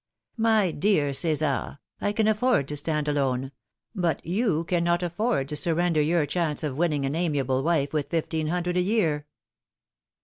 " My dear Cesar, I can afford to stand alone ; but you cannot afford to surrender your chance of winning an amiable wife with fifteen hundred a year."